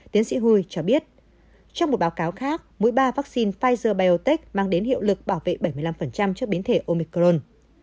tiến sĩ hu cho biết trong một báo cáo khác mũi ba vaccine pfizer biontech mang đến hiệu lực bảo vệ bảy mươi năm cho biến thể omicron